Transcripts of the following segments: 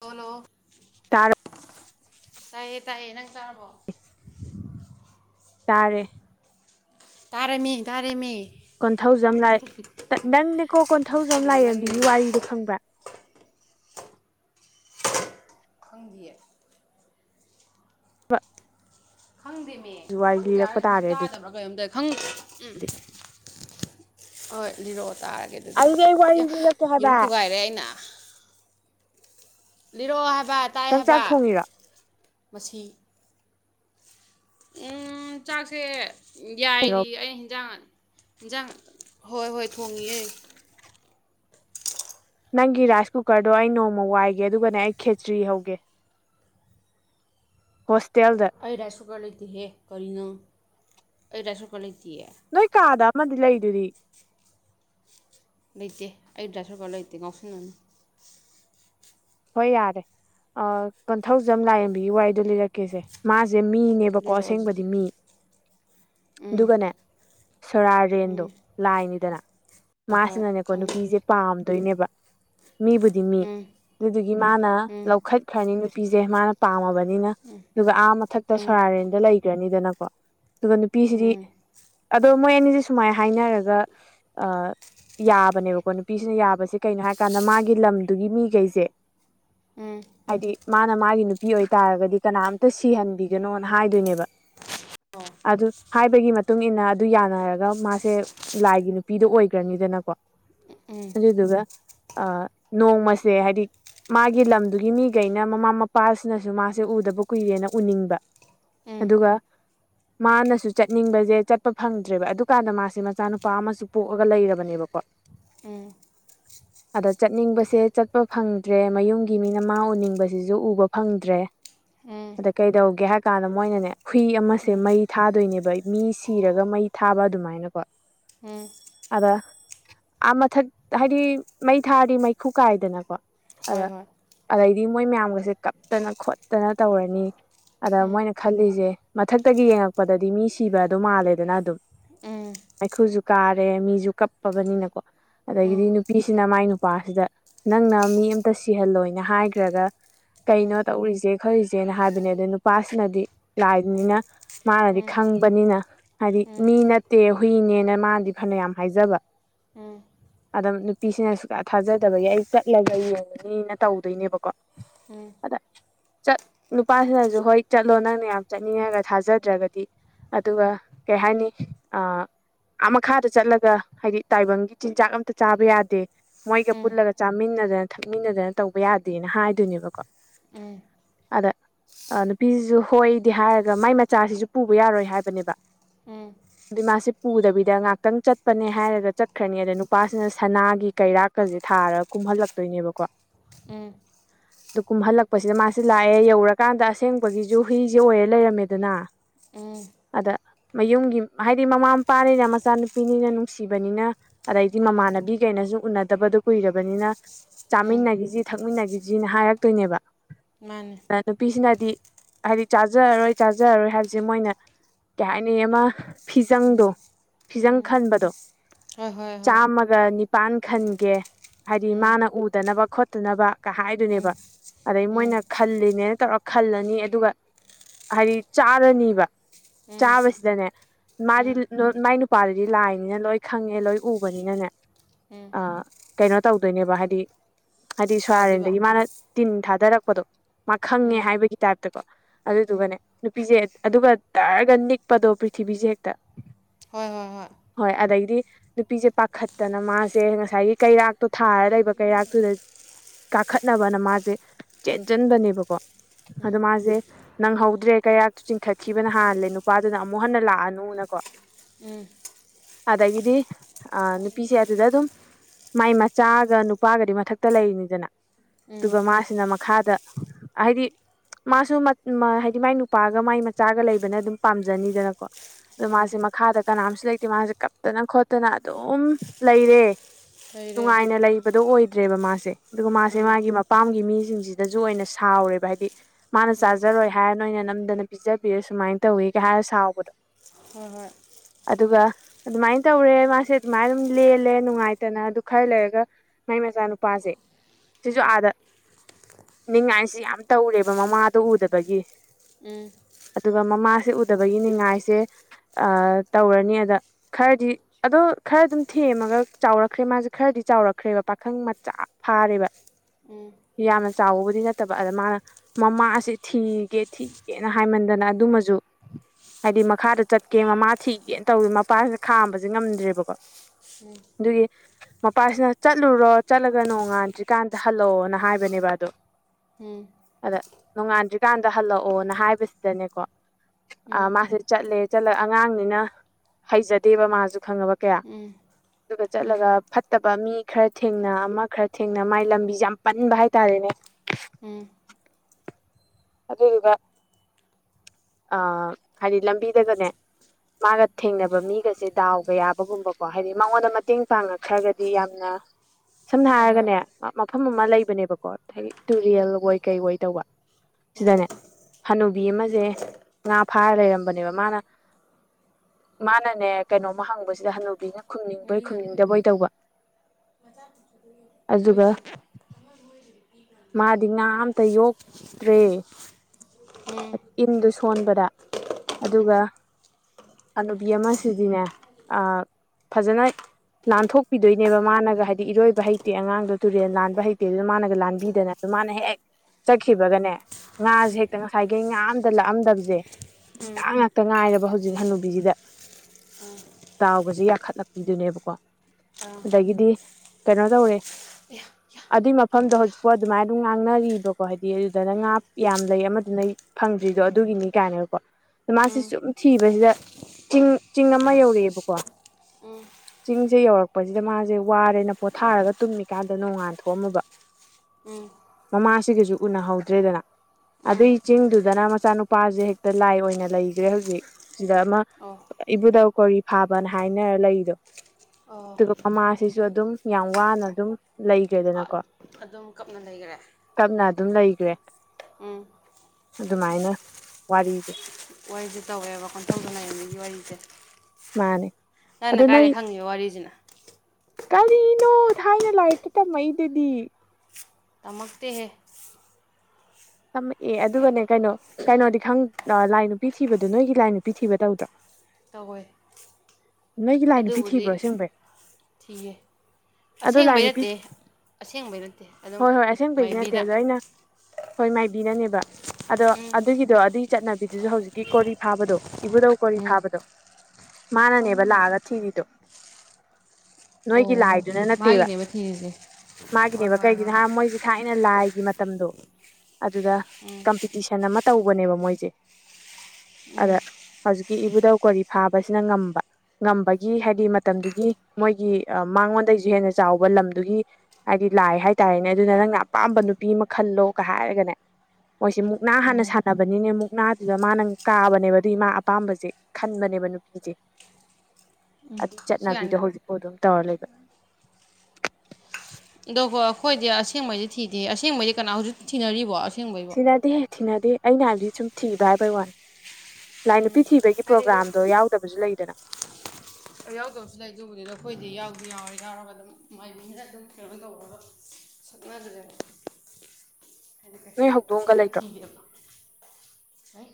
ꯍꯣꯂꯣ ꯇꯔ ꯇꯥꯏꯌꯦ ꯇꯥꯏꯌꯦ ꯅꯪ ꯆ [unintelligible] ꯇꯥꯔꯦ ꯇꯥꯔꯦꯃꯤ ꯇꯔꯦꯃꯤ ꯀꯣꯟꯊꯧꯖꯝ ꯂ ꯅꯪꯅꯦꯀꯣ ꯀꯣꯟꯊꯧꯖꯝ ꯀꯔꯤꯅꯣ ꯅꯪꯅꯦ ꯂꯥꯏꯔꯦꯝꯕꯤꯒꯤ ꯋꯥꯔꯤꯗꯨꯣ ꯈꯪꯕ꯭ꯔꯥ ꯈꯪꯗꯤꯌꯦ ꯍ ꯈꯪꯗꯦꯅꯦ ꯈꯪꯗꯦ ꯍꯥꯏꯔꯗꯤ ꯃꯤꯁꯨ ꯇꯥꯔꯦ ꯑꯗꯨꯗꯤ ꯇꯥꯗꯕ꯭ꯔꯥ ꯀꯔꯤꯝꯇ ꯈꯪꯗ ꯎꯝ ꯍꯣꯏ ꯂꯤꯔꯛꯑꯣ ꯇꯥꯔꯒꯦ ꯑꯗꯨꯗꯤ ꯑꯩ ꯋꯥꯔꯤ ꯂꯤꯔꯛꯀꯦ ꯍꯥꯏꯕ ꯌꯦꯝ ꯊꯨꯒꯥꯏꯔꯦ ꯑꯩꯅ ꯂꯤꯔꯛꯑꯣ ꯍꯥꯏꯕ ꯇꯥꯏ ꯅꯪ ꯆꯥꯛ ꯍꯥꯏꯕ ꯊꯣꯡꯉꯤꯔꯣ ꯃꯁꯤ ꯎꯝ ꯆꯥꯛꯁꯦ ꯌꯥꯏꯔꯤ ꯑꯩ ꯏꯟꯖꯥꯡꯅꯤ ꯏꯟꯖꯥꯡ ꯍꯣꯏ ꯍꯣꯏ ꯊꯣꯡꯉꯤꯑ ꯅꯪꯒꯤ ꯔꯥꯏꯁ ꯀꯨꯀꯔꯗꯣ ꯑꯩ ꯅꯣꯡꯃ ꯋꯥꯏꯒꯦ ꯑꯗꯨꯒꯅꯦ ꯑꯩ ꯈꯦꯇ꯭ꯔꯤ ꯍꯧꯒꯦ ꯍꯣꯁ ꯑꯩ ꯔꯁꯨ ꯀ ꯂꯩꯇ ꯍꯦꯛ ꯀꯅꯣ ꯑꯩꯔꯁꯨ ꯀ ꯂꯩꯇ ꯅꯣꯏ ꯀꯥꯗ ꯑꯃꯗꯤ ꯂꯩꯗꯨꯗꯤ ꯂꯩꯇꯦ ꯑꯩꯗ꯭ꯔꯦꯁꯔ ꯀꯔ ꯂꯩꯇꯦ ꯀꯥꯎꯁꯤꯜꯂꯅꯤ ꯍꯣꯏ ꯌꯥꯔꯦ ꯀꯟꯊꯧꯖꯝ ꯂꯥꯏꯌꯦꯡꯕꯤꯒꯤ ꯋꯥꯔꯤꯗꯣ ꯂꯤꯔꯛꯀꯦꯁꯦ ꯃꯥꯁꯦ ꯁꯦ ꯃꯤꯅꯦꯕꯀꯣ ꯂꯤꯔꯛꯑꯣ ꯑꯗꯨꯗꯤ ꯑꯁꯦꯡꯕꯗꯤ ꯃꯤ ꯎꯝ ꯑꯗꯨꯒꯅꯦ ꯁꯔꯥꯔꯦꯟꯗꯣ ꯎꯝ ꯂꯥꯏꯅꯤꯗꯅ ꯍꯣꯏ ꯍꯣꯏ ꯃꯥꯁꯤꯅꯅꯦꯀꯣ ꯈꯪꯉꯦ ꯅꯨꯄꯤꯁꯦ ꯄꯥꯝ ꯅꯦꯕ ꯃꯤꯕꯨꯗꯤ ꯃꯤ ꯎꯝ ꯑꯗꯨꯒꯤ ꯃꯥꯅ ꯎꯝ ꯂꯧꯈꯠꯈ꯭ꯔꯅꯤ ꯅꯨꯄꯤꯁꯦ ꯦ ꯃꯥꯅ ꯄꯥꯝꯃꯕꯅꯤꯅ ꯑꯗꯨꯒ ꯑꯥ ꯃꯊꯛꯇ ꯎꯝ ꯁꯣꯔꯥꯔꯦꯟꯗ ꯂꯩꯈ꯭ꯔꯅꯤꯗꯅꯀꯣ ꯑꯗꯨꯒ ꯅꯨꯄꯤꯁꯤꯗꯤ ꯎꯝ ꯑꯗꯣ ꯃꯣꯏ ꯑꯅꯤꯁꯤ ꯁꯨꯃꯥꯏ ꯍꯥꯏꯅꯔꯒ ꯌꯥꯕꯅꯦꯕꯀꯣ ꯅꯨꯄꯤꯁꯤꯅ ꯌꯥꯕꯁꯦ ꯀꯩꯅꯣ ꯍꯥꯏꯔꯀꯥꯟꯗ ꯃꯥꯒꯤ ꯂꯝꯗꯨꯒꯤ ꯃꯤꯈꯩꯁ ꯎꯝ ꯍꯥꯏꯗꯤ ꯃꯥꯅ ꯃꯥꯒꯤ ꯅꯨꯄꯤ ꯄꯤ ꯑꯣꯏꯇꯥꯥꯔꯒꯗꯤ ꯀꯅꯥꯝꯇ ꯁꯤꯍꯟꯕꯤꯒꯅꯣꯅ ꯍꯥꯏꯗꯣꯏꯅꯦꯕ ꯑꯣ ꯑꯗꯨꯗ ꯍꯥꯏꯥꯏꯕꯒꯤ ꯃ ꯃꯇꯨꯡ ꯏꯟꯅ ꯑꯗꯨ ꯌꯥꯅꯔꯒ ꯃꯥꯁꯦ ꯂꯥꯏꯒꯤ ꯅꯨꯄꯤꯗꯣ ꯑꯣꯏꯈ꯭ꯔꯅꯤꯗꯅꯀꯣ ꯎ ꯎꯝ ꯑ ꯅꯣꯡꯃꯁꯦ ꯍꯥꯏꯗꯤ ꯃꯥꯒꯤ ꯂꯝꯗꯨꯒꯤ ꯃꯤꯈꯩꯅ ꯃꯃꯥ ꯃꯄꯥꯁꯤꯅꯁꯨ ꯃꯥꯁꯦ ꯎꯗꯕ ꯀꯨꯏꯔꯦꯅ ꯎꯅꯤꯡꯕ ꯎꯝ ꯑꯗꯨꯒ ꯃꯥꯅꯁꯨ ꯆꯠꯅꯤꯡꯕꯁꯦ ꯆꯠꯄ ꯐꯪꯗ꯭ꯔꯦꯕ ꯑꯗꯨꯀꯥꯟꯗ ꯃꯥꯁꯦ ꯃꯆꯥꯅꯨꯄꯥ ꯑꯃꯁꯨ ꯄꯣꯛꯑꯒ ꯂꯩꯔꯕꯅꯦꯕꯀꯣ ꯎꯝ ꯑꯗ ꯆꯠꯅꯤꯡꯕꯁꯦ ꯆꯠꯄ ꯐꯪꯗ꯭ꯔꯦ ꯃꯌꯨꯝꯒꯤ ꯃꯤꯅ ꯃꯥ ꯎꯅꯤꯡꯕꯁꯤꯁꯨ ꯎꯕ ꯐꯪꯗ꯭ꯔꯦ ꯎꯝ ꯑꯗ ꯀꯩꯗꯧꯒꯦ ꯍꯥꯏ ꯀꯥꯟꯗ ꯃꯣꯏꯅꯅꯦ ꯍꯨꯏ ꯑꯃꯁꯦ ꯃꯩ ꯊꯥꯗꯣꯏꯅꯦꯕ ꯃꯤ ꯁꯤꯔꯒ ꯃꯩ ꯊꯥꯕ ꯑꯗꯨꯃꯥꯏꯅꯀꯣ ꯎꯝ ꯑꯗꯥ ꯃꯊꯛ ꯍꯥꯏꯗꯤ ꯃꯩ ꯊꯥꯔꯗꯤ ꯃꯩꯈꯨ ꯀꯥꯏꯗꯅꯀꯣ ꯍꯣꯏ ꯑꯗ ꯍꯣꯏ ꯑꯗꯩꯗꯤ ꯃꯣꯏ ꯃꯌꯥꯝꯒꯁꯦ ꯀꯞꯇꯅ ꯈꯣꯠꯇꯅ ꯇꯧꯔꯅꯤ ꯑꯗ ꯎꯝ ꯃꯣꯏꯅ ꯈꯜꯂꯤꯁꯦ ꯃꯊꯛꯇꯒꯤ ꯌꯦꯡꯉꯛꯄꯗꯗꯤ ꯃꯤ ꯁꯤꯕ ꯑꯗꯨ ꯃꯥꯜꯂꯦꯗꯅ ꯑꯗꯨꯝ ꯎꯝ ꯑꯩꯩꯈꯨꯁꯨ ꯀꯥꯔꯦ ꯃꯤꯁꯨ ꯀꯞꯄꯕꯅꯤꯅꯀꯣ ꯎꯝ ꯑꯗꯒꯤꯗꯤ ꯎꯝ ꯅꯨꯄꯤꯁꯤꯅ ꯃꯥꯏ ꯅꯨꯄꯥꯁꯤꯗ ꯅꯪꯅ ꯃꯤ ꯑꯃꯝꯇ ꯁꯤꯍꯜꯂꯣꯏꯅ ꯍꯥꯏꯈ꯭ꯔꯒ ꯎꯝ ꯀꯩꯅꯣ ꯎꯝ ꯇꯧꯔꯤꯁꯦ ꯈꯣꯠꯔꯤꯁꯦꯅ ꯍꯥꯏꯕꯅꯦ ꯑꯗꯨ ꯅꯨꯄꯥꯁꯤꯅꯗꯤ ꯂꯥꯏꯕꯅꯤꯅ ꯃꯥꯅꯗꯤ ꯈꯪ ꯍꯪꯕꯅꯤꯅ ꯍꯥꯏꯗꯤ ꯃꯤ ꯅꯠꯇꯦ ꯍꯨꯏꯅꯦꯅ ꯃꯥꯗꯤ ꯐꯅ ꯌꯥꯝ ꯍꯥꯏꯖꯕ ꯎꯝ ꯑꯗꯨꯝ ꯅꯨꯄꯤꯁꯤꯅꯁꯨ ꯊꯥꯖꯗꯕꯒꯤ ꯑꯩ ꯆꯠꯂꯒ ꯌꯦꯡꯅꯤꯅ ꯇꯧꯗꯣꯏꯅꯦꯕꯀꯣ ꯎꯝ ꯑꯗ ꯆꯠ ꯅꯨꯄꯥꯁꯤꯅꯁꯨ ꯍꯣꯏ ꯆꯠꯂꯣ ꯅꯪꯅ ꯌꯥꯝ ꯆꯠꯅꯤꯡꯉꯒ ꯊꯥꯖꯗ꯭ꯔꯒꯗꯤ ꯑꯗꯨꯒ ꯀꯩ ꯍꯥꯏꯅꯤ ꯑꯥ ꯃꯈꯥꯗ ꯆꯠꯂꯒ ꯍꯥꯏꯗꯤ ꯇꯥꯏꯕꯪꯒꯤ ꯆꯤꯟꯖꯥꯛ ꯑꯝꯇ ꯆꯥꯕ ꯌꯥꯗꯦ ꯃꯣꯏꯒ ꯄꯨꯜꯂꯒ ꯆꯥꯃꯤꯟꯅꯗꯅ ꯊꯛꯃꯤꯟꯅꯗꯅ ꯇꯧꯕ ꯌꯥꯗꯦꯅ ꯍꯥꯏꯗꯨꯣꯏꯅꯦꯕꯀꯣ ꯎ ꯑꯗ ꯅꯨꯄꯤꯁꯤꯁꯨ ꯍꯣꯏꯗꯤ ꯍꯥꯏꯔꯒ ꯃꯥꯏ ꯃꯆꯥꯁꯤꯁꯨ ꯄꯨꯕ ꯌꯥꯔꯣꯏ ꯍꯥꯏꯕꯅꯦꯕ ꯎꯝ ꯑꯗꯨꯏ ꯃꯥꯁꯦ ꯄꯨꯗꯕꯤꯗ ꯉꯥꯏꯍꯥꯛꯇꯪ ꯆꯠꯄꯅꯦ ꯍꯥꯏꯔꯒ ꯆꯠꯈ꯭ꯔꯅꯤ ꯑꯗ ꯅꯨꯄꯥꯁꯤꯅ ꯁꯅꯥꯒꯤ ꯀꯩꯔꯥꯛꯀꯁꯦ ꯊꯥꯔꯒ ꯀꯨꯝꯍꯜꯂꯛꯇꯣꯏꯅꯦꯕꯀꯣ ꯑ ꯑꯗꯨ ꯀꯨꯝꯍꯜꯂꯛꯄꯁꯤꯗ ꯃꯥꯁꯦ ꯂꯥꯛꯑꯦ ꯌꯧꯔꯀꯥꯟꯗ ꯑꯁꯦꯡꯕꯒꯤꯁꯨ ꯍꯨꯏꯁꯦ ꯑꯣꯏꯔꯦ ꯂꯩꯔꯝꯃꯦꯗꯅ ꯎꯝ ꯑꯗ ꯃꯌꯨꯝꯒꯤ ꯍꯥꯏꯗꯤ ꯃꯃꯥ ꯃꯄꯥꯅꯤꯅ ꯃꯆꯥꯅꯨꯄꯤꯅꯤꯅ ꯅꯨꯡꯁꯤꯕꯅꯤꯅ ꯑꯗꯩꯗꯤ ꯃꯥꯅꯦ ꯃꯃꯥꯟꯅꯕꯤ ꯀꯩꯅꯁꯨ ꯎꯅꯗꯕꯗꯣ ꯀꯨꯏꯔꯕꯅꯤꯅ ꯎꯝ ꯆꯥꯃꯤꯟꯅꯈꯤꯁꯤ ꯊꯛꯃꯤꯟꯅꯈꯤꯁꯤ ꯁꯤꯅ ꯍꯥꯏꯔꯛꯇꯣꯏꯅꯦꯕ ꯃꯥꯅꯦ ꯑ ꯅꯨꯄꯤꯁꯤꯅꯗꯤ ꯍꯥꯏꯗꯤ ꯆꯥꯖꯔꯔꯣꯏ ꯆꯥꯖꯔꯔꯣꯏ ꯍꯥꯏꯕꯁꯦ ꯃꯣꯏꯅ ꯀꯩ ꯍꯥꯏꯅꯤꯩ ꯑꯃ ꯐꯤꯖꯪꯗꯣ ꯐꯤꯖꯪ ꯈꯟꯕꯗꯣ ꯍꯣꯏ ꯍꯣꯏ ꯍꯣꯏ ꯆꯥꯝꯃꯒ ꯅꯤ ꯄꯥꯟ ꯈꯟꯒꯦ ꯍꯥꯏꯗꯤ ꯎꯝ ꯃꯥꯅ ꯎꯗꯅꯕ ꯈꯣꯠꯇꯅꯕ ꯀ ꯍꯥꯏꯗꯨꯅꯦꯕ ꯎꯝ ꯑꯗꯩ ꯎꯝ ꯃꯣꯏꯅ ꯈꯜꯂꯤꯅꯦꯅ ꯇꯧꯔ ꯈꯜꯂꯅꯤ ꯑꯗꯨꯒ ꯍꯥꯏꯗꯤ ꯆꯥꯔꯅꯤꯕ ꯎꯝ ꯆꯥꯕꯁꯤꯗꯅꯦ ꯃꯥꯗꯤ ꯎꯝ ꯃꯥꯏ ꯅꯨ ꯎꯄꯥꯜꯗꯨꯗꯤ ꯂꯥꯏꯅꯤꯅ ꯂꯣꯏ ꯈꯪꯉꯦ ꯂꯣꯏ ꯎꯕꯅꯤꯅꯅꯦ ꯎꯝ ꯑ ꯀꯩꯅꯣ ꯇꯧꯗꯣꯏꯅꯦꯕ ꯍꯥꯏꯗꯤ ꯍꯥꯏꯗꯤ ꯁꯥꯎꯗꯣꯏꯕ ꯁꯔꯦꯟꯗꯒꯤ ꯃꯥꯅ ꯇꯤꯟ ꯊꯥꯗꯔꯛꯄꯗꯣ ꯃꯥ ꯈꯪꯉꯦ ꯎꯝ ꯍꯥꯏꯕꯒꯤ ꯇꯥꯏꯞꯇꯀꯣ ꯑꯗꯨꯗꯨꯒꯅꯦ ꯅꯨꯄꯤꯁꯦ ꯑꯗꯨꯒ ꯇꯥꯔꯒ ꯅꯤꯛꯄꯗꯣ ꯄ꯭ꯔꯤꯊꯤꯕꯤꯁꯦ ꯍꯦꯛꯇ ꯍꯣꯏ ꯍꯣꯏ ꯍꯣꯏ ꯑꯗꯩꯗꯤ ꯅꯨꯄꯤꯁꯦ ꯄꯥꯈꯠꯇꯅ ꯃꯥꯁꯦ ꯉꯁꯥꯏꯒꯤ ꯀꯩꯔꯥꯛꯇꯣ ꯊꯥꯔ ꯂꯩꯕ ꯀꯩꯔꯥꯛꯇꯨꯗ ꯀꯥꯈꯠꯅꯕꯅ ꯃꯥꯁꯦ ꯆꯦꯟꯁꯤꯟꯕꯅꯦꯕꯀꯣ ꯑꯗ ꯃꯥꯁꯦ ꯅꯪꯍꯧꯗ꯭ꯔꯦ ꯀꯌꯥꯛꯇꯨ ꯆꯤꯡꯈꯠꯈꯤꯕꯅ ꯍꯥꯥꯟꯂꯦ ꯅꯨꯄꯥꯗꯨꯅ ꯑꯃꯨꯛ ꯍꯟꯅ ꯂꯥꯛꯑꯅꯨꯅꯀꯣ ꯎꯝ ꯑꯗꯒꯤꯗꯤ ꯑ ꯅꯨꯄꯤꯁꯦ ꯑꯗꯨꯗ ꯑꯗꯨꯝ ꯃꯥꯏ ꯃꯆꯥꯒ ꯅꯨꯄꯥꯒꯗꯤ ꯃꯊꯛꯇ ꯂꯩꯔꯤꯅꯤꯗꯅ ꯎꯝ ꯑꯗꯨꯒ ꯃꯥꯁꯤꯅ ꯃꯈꯥꯗ ꯍꯥꯏꯗꯤ ꯃꯥꯁꯨ ꯍꯥꯏꯗꯤ ꯃꯥꯏ ꯅꯨꯄꯥꯒ ꯃꯥꯏ ꯃꯆꯥꯒ ꯂꯩꯕꯅ ꯑꯗꯨꯝ ꯄꯥꯝꯖꯅꯤꯗꯅꯀꯣ ꯑꯗꯨ ꯃꯥꯅꯦ ꯃꯥꯁꯦ ꯃꯈꯥꯗ ꯀꯅꯥꯝꯁꯨ ꯂꯩꯇꯦ ꯃꯥꯁꯦ ꯀꯞꯇꯅ ꯈꯣꯠꯇꯅ ꯑꯗꯨꯝ ꯂꯩꯔꯦ ꯂꯩꯔꯦ ꯅꯨꯡꯉꯥꯏꯅ ꯂꯩꯕꯗꯣ ꯑꯣꯏ ꯭ꯔꯦꯕ ꯃꯥꯁꯦ ꯑꯗꯨꯒ ꯃꯥꯁꯦ ꯑꯥ ꯃꯥꯒꯤ ꯃꯄꯥꯝꯒꯤ ꯃꯤꯁꯤꯡꯁꯤꯗꯁꯨ ꯑꯣꯏꯅ ꯁꯥꯎꯔꯦꯕ ꯍꯥꯏꯗꯤ ꯃꯥꯅ ꯆ ꯌꯥꯔꯣꯏ ꯍꯥꯏꯔ ꯅꯣꯏꯅ ꯅꯝꯗꯅ ꯄꯤꯖꯕꯤꯔꯦ ꯁꯨꯃꯥꯏꯅ ꯇꯧꯋꯤꯒꯩ ꯍꯥꯏꯔ ꯁꯥꯎꯕꯗꯣ ꯎꯝ ꯑꯗꯨꯒ ꯑꯗꯨꯃꯥꯏꯅ ꯇꯧꯔꯦ ꯃꯥꯁꯦ ꯑꯗꯨꯃꯥꯏꯅ ꯑꯗꯨꯝ ꯂꯦꯜꯂꯦ ꯅꯨꯡꯉꯥꯏꯇ ꯠꯇꯅ ꯑꯗꯨ ꯈꯔ ꯂꯩꯔꯒ ꯉꯥꯏ ꯃꯆꯥ ꯅꯨꯨꯄꯥꯁꯦ ꯁꯤꯁꯨ ꯑꯥꯗ ꯅꯤꯡꯉꯥꯏꯁꯤ ꯌꯥꯝ ꯇꯧꯔꯦꯕ ꯃꯃꯥꯗꯣ ꯎꯗꯕꯒꯤ ꯎꯝ ꯑꯗꯨꯒ ꯃꯃꯥꯁꯦ ꯎꯗꯕꯒꯤ ꯅꯤꯡꯉꯥꯏꯁꯦ ꯇꯧꯔꯅꯤ ꯑꯗ ꯈꯔꯗꯤ ꯑꯗꯣ ꯈꯔ ꯑꯗꯨꯝ ꯊꯦꯝꯃꯒ ꯆꯥꯎꯔꯛꯈ꯭ꯔꯦ ꯃꯥꯁꯦ ꯈꯔꯗꯤ ꯆꯥꯎꯔꯛꯈ꯭ꯔꯦꯕ ꯄꯥꯈꯪ ꯃꯆꯥ ꯐꯥꯔꯦꯕ ꯌꯥꯝꯅ ꯆꯥꯎꯕꯕꯨꯗꯤ ꯅꯠꯇꯕ ꯑꯗ ꯃꯥꯅ ꯃꯃꯥꯁꯦ ꯊꯤꯒꯦ ꯊꯤꯒꯦꯅ ꯍꯥꯏꯃꯟꯗꯅ ꯑꯗꯨꯃꯁꯨ ꯍꯥꯏꯗꯤ ꯃꯈꯥꯗ ꯆꯠꯀꯦ ꯃꯃꯥ ꯊꯤꯛꯒꯦꯅ ꯇꯧꯁꯦ ꯃꯄꯥꯁꯤꯅ ꯈꯥꯝꯕꯁꯦ ꯉꯝꯗ꯭ꯔꯦꯕꯀꯣ ꯎꯝ ꯑꯗꯨꯒꯤ ꯃꯄꯥꯁꯤꯅ ꯆꯠꯂꯨꯔꯣ ꯆꯠꯂꯒ ꯅꯣꯡꯉꯥꯟꯗ꯭ꯔꯤꯀꯥꯟꯗ ꯍꯜꯂꯛꯑꯣꯅ ꯍꯥꯏꯕꯅꯦꯕ ꯑꯗꯣ ꯎꯝ ꯑꯗ ꯅꯣꯡꯉꯥꯟꯗ꯭ꯔꯤꯀꯥꯟꯗ ꯍꯜꯂꯛꯑꯣꯅ ꯍꯥꯏꯕꯁꯤꯗꯅꯦꯀꯣ ꯃꯥꯁꯦ ꯆꯠꯂꯦ ꯆꯠꯂ ꯑꯉꯥꯡꯅꯤꯅ ꯍꯩꯖꯗꯦꯕ ꯃꯥꯁꯨ ꯈꯪꯉꯕ ꯀꯌꯥ ꯎꯝ ꯑꯗꯨꯒ ꯆꯠꯂꯒ ꯐꯠꯇꯦ ꯐꯠꯇꯕ ꯃꯤ ꯈꯔ ꯊꯦꯡꯅ ꯑꯃ ꯈꯔ ꯊꯦꯡꯅ ꯃꯥꯏ ꯂꯝꯕꯤꯁꯦ ꯌꯥꯝ ꯄꯟꯕ ꯍꯥꯏꯇꯥꯔꯦꯅꯦ ꯎꯝ ꯑꯗꯨꯗꯨꯒ ꯑ ꯍꯥꯏꯗꯤ ꯂꯝꯕꯤꯗꯒꯅꯦ ꯃꯥꯒ ꯊꯦꯡꯅꯕ ꯃꯤꯒꯁꯦ ꯗꯥꯎꯕ ꯌꯥꯕꯒꯨꯝꯕꯀꯣ ꯍꯥꯏꯗꯤ ꯃꯉꯣꯟꯗ ꯃꯇꯦꯡ ꯄꯥꯡꯉꯛꯈ꯭ꯔꯒꯗꯤ ꯌꯥꯝꯅ ꯁꯝꯅ ꯍꯣꯏ ꯍꯣꯏ ꯍꯥꯏꯔꯒꯅꯦ ꯃꯐꯝ ꯑꯃ ꯂꯩꯕꯅꯦꯕꯀꯣ ꯍꯥꯏꯗꯤ ꯎꯝ ꯇꯨꯔꯦꯜ ꯑꯣꯏꯣꯏ ꯀꯩ ꯑꯣꯏ ꯇꯧꯕ ꯁꯤꯗꯅꯦ ꯍꯅꯨꯕꯤ ꯑꯃꯁꯦ ꯉꯥ ꯐꯥꯔ ꯂꯩꯔꯝꯕꯅꯦꯕ ꯃꯥꯅ ꯃꯥꯅꯅꯦ ꯀꯩꯅꯣꯝꯃ ꯍꯪꯕꯁꯤꯗ ꯍꯜꯟꯅꯨꯕꯤꯅ ꯈꯨꯝꯅꯤꯡꯕꯣꯏ ꯈꯨꯝꯅꯤꯡꯗꯕꯣꯏ ꯇꯧꯕ ꯑꯗꯨꯒ ꯍꯧꯀꯦ ꯃꯥꯗꯤ ꯉꯥ ꯑꯝꯇ ꯌꯣꯛꯇ꯭ꯔꯦ ꯏꯟꯗꯨ ꯁꯣꯟꯕꯗ ꯑꯗꯨꯒ ꯑꯅꯕꯤ ꯑꯃꯁꯤꯗꯤꯅꯦ ꯐꯖꯅ ꯂꯥꯟꯊꯣꯛꯄꯤꯗꯣꯏꯅꯦꯕ ꯃꯥꯅꯒ ꯍꯥꯏꯗꯤ ꯏꯔꯣꯏꯕ ꯍꯩꯇꯦ ꯑꯉꯥꯡꯗꯣ ꯇꯨꯔꯦꯟ ꯂꯥꯟꯕ ꯍꯩꯇꯦ ꯑꯗꯨꯅ ꯃꯥꯅꯒ ꯂꯥꯟꯕꯤꯗꯅꯕ ꯑꯗꯨ ꯃꯥꯅ ꯍꯦꯛ ꯍꯦꯛ ꯆꯠꯈꯤꯕꯒꯅꯦ ꯉꯥꯁꯦ ꯍꯦꯛꯇ ꯉ ꯉꯁꯥꯏꯈꯩ ꯉꯥ ꯑꯝꯇ ꯂꯥꯛꯑꯝꯗꯕꯁꯦ ꯉ ꯉꯥꯛꯇ ꯉꯥꯏꯦꯔꯕ ꯍꯧꯖꯤꯛ ꯍꯟꯅꯨꯕꯤꯁꯤꯗ ꯇꯥꯎꯒꯁꯦ ꯌꯥꯈꯠꯂꯛꯄꯤꯗꯨꯅꯦꯕꯀꯣ ꯑꯗꯒꯤꯗꯤ ꯀꯩꯅꯣ ꯇꯧꯔꯦ ꯑꯗꯨꯏ ꯃꯐꯝꯗꯣ ꯍꯧꯖꯤꯛꯐꯥꯎ ꯑꯗꯨꯃꯥꯏ ꯑꯗꯨꯝ ꯉꯥꯡꯅꯔꯤꯕꯀꯣ ꯍꯥꯏꯗꯤ ꯑꯗꯨꯗꯅ ꯉꯥ ꯌꯥꯝ ꯂꯩ ꯑꯃ ꯑꯗꯨꯅ ꯐꯪꯗ꯭ꯔꯤꯗꯣ ꯑꯗꯨꯒꯤꯅꯤ ꯀꯥꯏꯅꯦꯕꯀꯣ ꯃꯥꯁꯤ ꯎꯝ ꯁꯨꯝ ꯊꯤꯕꯁꯤꯗ ꯆꯤꯡ ꯆꯤꯡ ꯑꯃ ꯌꯧꯔꯛꯑꯦꯕꯀꯣ ꯎꯝ ꯆꯤꯡꯁꯦ ꯌꯧꯔꯛꯄꯁꯤꯗ ꯃꯥꯁꯦ ꯋꯥꯔꯦꯅ ꯄꯣꯊꯥꯔꯒ ꯇꯨꯝꯃꯤꯀꯥꯟꯗ ꯅꯣꯡꯉꯥꯟ ꯊꯣꯛꯣꯛꯑꯝꯃꯨꯕ ꯎꯝ ꯃꯃꯥꯁꯤꯒꯁꯨ ꯎꯅꯍꯧꯗ꯭ꯔꯦꯗꯅ ꯎꯝ ꯑꯗꯨꯏ ꯆꯤꯡꯗꯨꯗꯅ ꯃꯆꯥꯅꯨꯄꯥꯁꯦ ꯍꯦꯛꯇ ꯂꯥꯏ ꯑꯣꯏꯅ ꯂꯩꯈ꯭ꯔꯦ ꯍꯧꯖꯤꯛ ꯁꯤꯗ ꯑꯃ ꯑꯣ ꯏꯕꯨꯙ ꯀꯣꯔꯤ ꯐꯥꯕꯅ ꯍꯥꯏꯅꯔ ꯂꯩꯗꯣ ꯑꯣ ꯑꯗꯨꯒ ꯃꯃꯥꯁꯤꯁꯨ ꯑꯗꯨꯝ ꯌꯥꯝ ꯋꯥꯅ ꯑꯗꯨꯝ ꯑ ꯂꯩꯈ꯭ꯔꯦꯗꯅꯀꯣ ꯑꯗꯨꯝ ꯀꯞꯅ ꯂꯩꯈꯔꯦ ꯇꯞꯅ [inaudible] ꯎꯝ ꯑꯗꯨꯃꯥꯏꯅ ꯋꯥꯔꯤꯁꯦ ꯋꯥꯔꯤꯁꯦ ꯃꯥꯅꯦ ꯅꯅ ꯑꯗꯣ ꯀꯥꯏꯔꯦ ꯅꯣꯏ ꯈꯪꯉꯤ ꯋꯥꯔꯤꯁꯤꯅ ꯀꯔꯤꯅꯣ ꯊꯥꯏꯅ ꯂꯥꯏꯔꯤꯛꯇ ꯇꯝꯃꯛꯩꯗꯨꯗꯤ ꯇꯝꯃꯛꯇꯦꯍꯦ ꯇꯝꯃꯛꯑꯦ ꯑꯗꯨꯒꯅꯦ ꯀꯩꯅꯣ ꯀꯩꯅꯣꯗꯤ ꯈꯪ ꯂꯥꯏ ꯅꯨꯄꯤ ꯊꯤꯕꯗꯣ ꯅꯣꯏꯒꯤ ꯂꯥꯏ ꯅꯨꯄꯤ ꯊꯤꯕ ꯇꯧꯗ꯭ꯔꯣ ꯇꯋꯏ ꯅꯣꯏꯒꯤ ꯂꯥꯏ ꯅꯨꯄꯤ ꯊꯤꯕ꯭ꯔꯣ ꯁꯤꯦꯡꯕ꯭ꯔꯦ ꯊꯤꯌꯦ ꯑꯗꯨ ꯂꯥꯏ ꯑꯁꯦꯡꯕꯩ ꯅꯨꯄꯤ ꯅꯠꯇꯦ ꯑꯁꯦꯡꯕꯩ ꯅꯠꯇꯦ ꯑꯗꯨꯝ ꯍꯣꯏ ꯍꯣꯏ ꯑꯁꯦꯡꯕꯒꯤꯗꯤ ꯅꯠꯇꯦ ꯃꯥꯏꯕꯤꯗ ꯑꯗꯣ ꯑꯩꯅ ꯍꯣꯏ ꯃꯥꯏꯕꯤꯅꯅꯦꯕ ꯑꯗꯣ ꯎꯝ ꯑꯗꯨꯒꯤꯗꯣ ꯑꯗꯨꯒꯤ ꯆꯠꯅꯕꯤꯗꯨꯁꯨ ꯍꯧꯖꯤꯛꯀꯤ ꯀꯣꯔꯤ ꯐꯥꯕꯗꯣ ꯏꯕꯨꯗꯧ ꯀꯣꯔꯤ ꯎꯝ ꯐꯥꯕꯗꯣ ꯃꯥꯅꯅꯦꯕ ꯇꯥꯃꯣꯒꯤ ꯂꯥꯛꯑꯒ ꯊꯤꯔꯤꯗꯣ ꯅꯣꯏꯒꯤ ꯑꯣ ꯂꯥꯏꯗꯨꯅ ꯅꯠꯇꯦꯕ ꯃꯥꯒꯤꯅꯦꯕ ꯊꯤꯔꯤꯁꯦ ꯍꯣꯏ ꯃꯥꯒꯤꯅꯦꯕ ꯍꯣꯏ ꯀꯩꯒꯤꯅꯣ ꯍꯣꯏ ꯃꯣꯏꯁꯦ ꯊꯥꯏꯅ ꯂꯥꯏꯒꯤ ꯃꯇꯝꯗꯣ ꯑꯗꯨꯗ ꯀꯝꯄꯤꯇꯤꯁꯟ ꯑꯃ ꯇꯧꯕꯅꯦꯕ ꯃꯣꯏꯁꯦ ꯑꯗ ꯍꯧꯖꯤꯛꯀꯤ ꯏꯕꯨꯙꯧ ꯀꯣꯔꯤ ꯐꯥꯕꯁꯤꯅ ꯉꯝꯕ ꯉꯝꯕꯒꯤ ꯍꯥꯏꯗꯤ ꯃꯇꯝꯗꯨꯒꯤ ꯃꯣꯏꯒꯤ ꯃꯥꯡꯉꯣꯟꯗꯒꯤꯁꯨ ꯍꯦꯟꯅ ꯆꯥꯎꯕ ꯂꯝꯗꯨꯒꯤ ꯍꯥꯏꯗꯤ ꯂꯥꯏ ꯍꯥꯏꯇꯥꯔꯦꯅꯦ ꯑꯗꯨꯅ ꯅꯪꯅ ꯑꯄꯥꯝꯕ ꯅꯨꯄꯤ ꯑꯃ ꯈꯜꯂꯣꯒ ꯍꯥꯏꯔꯒꯅꯦ ꯃꯣꯏꯁꯦ ꯃꯨꯛꯅꯥ ꯍꯥꯟꯅ ꯎꯝ ꯁꯥꯟꯅꯕꯅꯤꯅꯦ ꯃꯨꯛꯅꯥꯗꯨꯗ ꯃꯥꯅ ꯀꯥꯕꯅꯦꯕ ꯑꯗꯨꯒꯤ ꯃꯥ ꯑꯄꯥꯝꯕꯁꯦ ꯈꯟꯕꯅꯦꯕ ꯅꯨꯄꯤꯁꯦ ꯑꯗꯨꯏ ꯁꯤ ꯆꯠꯅꯕꯤꯗꯣ ꯌꯥꯅꯤꯅ ꯍꯧꯖꯤꯛꯐꯥꯎ ꯑꯗꯨꯝ ꯇꯧꯔ ꯂꯩꯕ ꯑꯣ ꯑꯩꯈꯣꯏꯗꯤ ꯑꯁꯦꯡꯕꯩꯗꯤ ꯊꯤꯗꯦ ꯑꯁꯦꯡꯕꯩꯗꯤ ꯀꯅꯥ ꯍꯧꯖꯤꯛ ꯊꯤꯅꯔꯤꯕꯣ ꯑꯁꯦꯡꯕꯩꯕꯣ ꯊꯤꯅꯗꯦ ꯊꯤꯅꯗꯦ ꯑꯩꯅ ꯍꯥꯏꯕꯗꯤ ꯁꯨꯝ ꯊꯤꯕ ꯍꯥꯏꯕꯩ ꯋꯥꯅꯦ ꯂꯥꯏ ꯅꯨꯄꯤ ꯎꯝ ꯊꯤꯕꯒꯤ ꯍꯥꯏꯗꯤ ꯑꯗꯣ ꯄ꯭ꯔꯣꯒ꯭ꯔꯥꯝꯗꯣ ꯌꯥꯎꯗꯕꯁꯨ ꯂꯩꯗꯅ ꯌꯥꯎꯗꯕꯁꯨ ꯂꯩ ꯑꯗꯨꯕꯨꯗꯤ ꯑꯩꯈꯣꯏꯗꯤ ꯌꯥꯎꯗꯤ ꯌꯥꯎꯔ ꯌꯥꯎꯔꯒ ꯑꯗꯨꯝ ꯃꯥꯏꯕꯤꯅ ꯑꯗꯨꯝ ꯀꯩꯅꯣ ꯇꯧꯔꯒ ꯁꯠꯅꯒꯔꯦ [inaudible] ꯍꯥꯏꯅ ꯀꯩꯁꯨ ꯍꯧꯗꯣꯡꯒ ꯑꯁꯦꯡꯕ ꯂꯩꯇ꯭ꯔꯣ ꯊꯤꯕꯤꯔꯕ ꯍꯥꯏ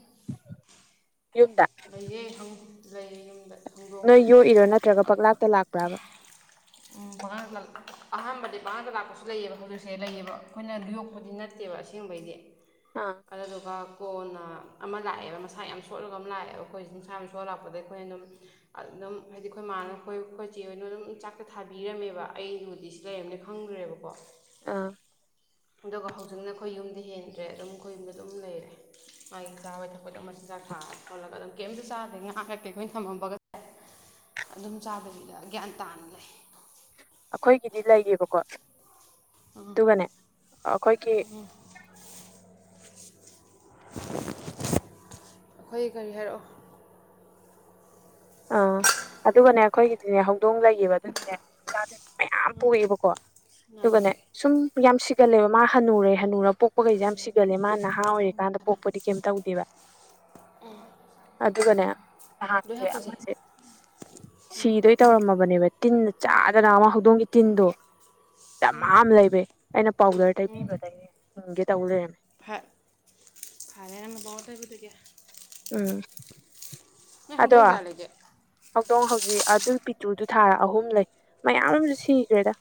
ꯌꯨꯝꯗ ꯂꯩꯌꯦ ꯍꯪ ꯂꯩꯌꯦ ꯌꯨꯝꯗ ꯍꯧꯗꯣꯡ ꯅꯣꯏ ꯌꯣꯛꯏꯔꯣ ꯅꯠꯇ꯭ꯔꯒ ꯄꯛꯂꯥꯛꯇ ꯂꯥꯛꯄ꯭ꯔꯥꯕ ꯄꯉꯥꯡꯗ ꯑꯍꯥꯟꯕꯗꯤ ꯄꯥꯟꯗ ꯂꯥꯛꯄꯁꯨ ꯂꯩꯑꯕ ꯍꯧꯖꯤꯛꯁꯦ ꯂꯩꯌꯦꯕ ꯑꯩꯈꯣꯏꯅ ꯌꯣꯛꯄꯗꯤ ꯅꯠꯇꯦꯕ ꯑꯁꯦꯡꯕꯩꯗꯤ ꯑꯥ ꯑꯗꯨꯗꯨꯒ ꯀꯣꯟꯅ ꯑꯃ ꯂꯥꯛꯑꯦꯕ ꯃꯁꯥ ꯌꯥꯝ ꯁꯣꯠꯂꯒ ꯑꯃ ꯂꯥꯛꯑꯦꯕ ꯑꯩꯈꯣꯁꯤꯅ ꯃꯁꯥ ꯌꯥꯝ ꯁꯣꯛꯅ ꯂꯥꯛꯄꯁꯤꯗ ꯑꯩꯈꯣꯏꯅ ꯑꯗꯨꯝ ꯑꯗꯨꯝ ꯍꯥꯏꯗꯤ ꯑꯩꯈꯣꯏ ꯃꯥꯥꯅ ꯑꯩꯈꯣꯏ ꯑꯩꯈꯣꯏꯆꯦ ꯑꯣꯏꯅ ꯑꯗꯨꯝ ꯆꯥꯛꯀ ꯊ ꯊꯥꯕꯤꯔꯝꯃꯦꯕ ꯑꯩꯗꯨꯕꯨꯗꯤ ꯁꯤ ꯂꯩꯔꯝꯅꯦ ꯈꯪꯗ꯭ꯔꯦꯕꯀꯣ ꯑꯥ ꯑꯗꯨꯒ ꯍꯧꯖꯤꯛꯅ ꯑꯩꯈꯣꯏ ꯌꯨꯝꯗ ꯍꯦꯟꯗ꯭ꯔꯦ ꯑꯗꯨꯝ ꯑꯩꯈꯣꯏꯨꯝꯗ ꯑꯗꯨꯝ ꯂꯩꯔꯦ ꯃꯥꯒꯤ ꯆꯥꯕ ꯊꯛꯄꯗ ꯃꯆꯤꯟꯖꯥꯛ ꯊꯥꯔ ꯊꯣꯜꯂꯒ ꯑꯗꯨꯝ ꯀꯩꯝꯇꯁꯨ ꯆꯥꯗꯦ ꯉꯥ ꯀꯩ ꯀꯩ ꯑꯩꯈꯣꯏꯅ ꯊꯝꯃꯝꯕꯒꯁꯦ ꯑꯗꯨꯝ ꯆꯥꯗꯕꯤꯗ ꯒ꯭ꯌꯥꯟ ꯇꯥꯅ ꯂꯩ ꯑꯩꯈꯣꯏꯒꯤꯗꯤ ꯂꯩꯌꯦꯕꯀꯣ ꯑꯗꯨꯒꯅꯦ ꯑꯩꯈꯣꯏꯒꯤ ꯑꯩꯈꯣꯏ ꯀꯔꯤ ꯍꯥꯏꯔꯛꯑꯣ ꯑꯥ ꯑꯗꯨꯒꯅꯦ ꯑꯩꯈꯣꯏꯒꯤꯗꯤꯅꯦ ꯍꯧꯗꯣꯡ ꯂꯩꯕ ꯑꯗꯨꯅꯅꯦ ꯃꯌꯥꯝ ꯄꯣꯛꯑꯦꯕꯀꯣ ꯉꯥꯡꯒꯦ ꯑꯗꯨꯒꯅꯦ ꯀꯩ ꯁꯨꯝ ꯌꯥꯝ ꯁꯤꯒꯜꯂꯦꯕ ꯃꯥ ꯍꯟꯅꯨꯔꯦ ꯍꯅꯨꯨꯔ ꯄꯣꯛꯄꯈꯩꯁꯦ ꯌꯥꯝ ꯁꯤꯒꯜꯂꯦ ꯃꯥ ꯅꯍꯥ ꯑꯣꯏꯔꯤꯀꯥꯟꯗ ꯄꯣꯛꯄꯗꯤ ꯀꯩꯝ ꯇꯧꯗꯦꯕ ꯑꯗꯨꯒꯅꯦ ꯂꯣꯏ ꯅꯥꯍꯟꯁꯦ ꯑꯃ ꯍꯥꯞꯄꯨꯁꯦ ꯁꯤꯗꯣꯏ ꯇꯧꯔꯝꯃꯕꯅꯦꯕ ꯇꯤꯟꯅ ꯆꯥꯗꯅ ꯑꯃ ꯍꯧꯗꯣꯡꯒꯤ ꯇꯤꯟꯗꯣ ꯗꯥꯃ ꯑꯃ ꯂꯩꯕ ꯑꯩꯅ ꯄꯥꯎꯗꯔ ꯇꯩꯕꯤꯕꯗꯒꯤ ꯍꯤꯡꯒꯦ ꯇꯧ ꯂꯩꯔꯝꯃꯦ ꯐꯥ ꯐꯔꯦꯅꯦ ꯅꯪ ꯄꯥꯎꯗꯔ ꯎꯝ ꯅ ꯑꯗꯣ ꯍꯧꯗꯣꯡ ꯀꯌꯥ ꯂꯩꯒꯦ ꯍꯧꯗꯣꯡ ꯍꯧꯖꯤꯛ ꯑꯗꯨ ꯄꯤꯇ꯭ꯔꯨꯗꯨ ꯊꯥꯔ ꯑꯍꯨꯝ ꯂꯩ ꯃꯌꯥꯝ ꯑꯃꯁꯨ ꯁꯤꯈ꯭ꯔꯦꯗ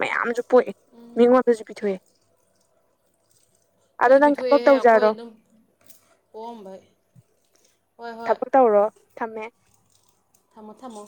ꯃꯌꯥꯝꯁꯨ ꯄꯣꯛꯑꯦ ꯃꯤꯉꯣꯟꯗꯁꯨ ꯄꯤꯊꯣꯛꯑꯦ ꯑꯗꯣ ꯑꯩꯈꯣꯏꯁꯨ ꯅꯪ ꯊꯕꯛ ꯄꯤꯊꯣꯛꯑꯦꯍꯦ ꯑꯩꯈꯣꯏ ꯇꯧꯖꯔꯣ ꯑꯗꯨꯝ ꯄꯣꯛꯑꯝꯕꯩ ꯍꯣꯏ ꯍꯣꯏ ꯊꯕꯛ ꯇꯧꯔꯣ ꯊꯝꯃꯦ ꯊꯝꯃꯣ ꯊꯝꯃꯣ